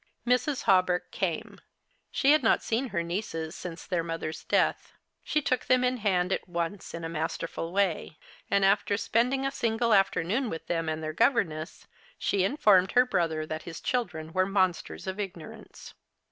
Mrs. Hawberk came. She had not seen her nieces since their mother's death. She took them in hand at once in a masterful way ; and after spending a single afternoon with them and their governess, she informed her brother that his children were monsters of ignorance.